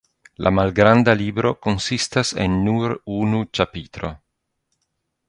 La malgranda libro konsistas el nur unu ĉapitro.